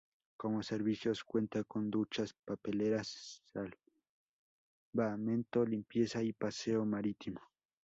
Como servicios cuenta con duchas, papeleras, salvamento, limpieza y paseo marítimo.